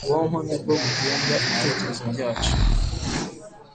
Ubwonko ni bwo bugenga ibitekerezo byacu.